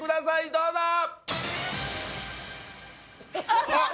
どうぞえっ！？